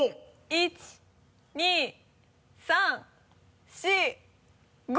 １２３４５！